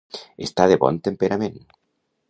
Estar de bon temperament.